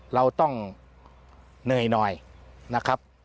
เราต้องเหนื่อยหน่อยนะครับ